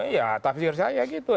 iya tafsir saya gitu